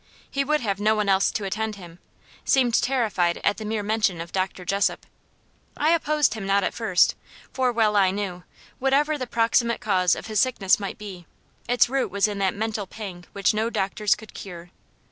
He would have no one else to attend him seemed terrified at the mere mention of Dr. Jessop. I opposed him not at first, for well I knew, whatever the proximate cause of his sickness might be, its root was in that mental pang which no doctors could cure.